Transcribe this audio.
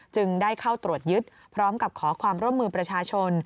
จึงได้เข้าตรวจยึดพร้อมกับขอความร่วมมือประชาชน